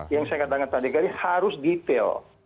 yang saya katakan tadi harus detail